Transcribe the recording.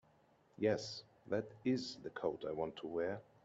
Yes, that IS the coat I want to wear.